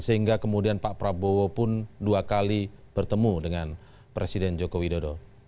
sehingga kemudian pak prabowo pun dua kali bertemu dengan presiden joko widodo